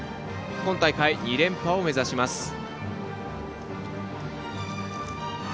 今大会、２連覇を目指します。